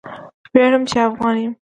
ویاړم چې افغان یم.